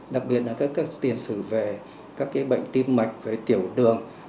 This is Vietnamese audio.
đặc biệt là các tiền xử về các bệnh tim mạch tiểu đường